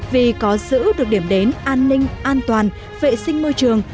vì có giữ được điểm đến an ninh an toàn vệ sinh môi trường